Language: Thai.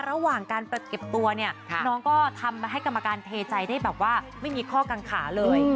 ระหว่างการประเก็บตัวเนี่ยน้องก็ทำให้กรรมการเทใจได้แบบว่าไม่มีข้อกังขาเลย